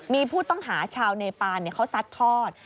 มีผู้ต้องหาชาวเนปานเขาซัดทอด